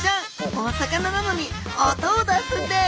お魚なのに音を出すんです！